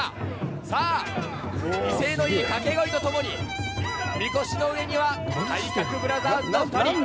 さあ、威勢のいい掛け声とともに、みこしの上には体格ブラザーズの２人。